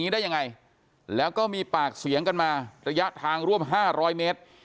ได้ยังไงแล้วก็มีปากเสียงกันมาระยะทางร่วม๕๐๐เมตร